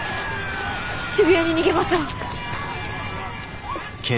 渋谷に逃げましょう。